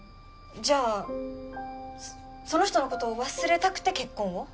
じゃあその人のことを忘れたくて結婚を？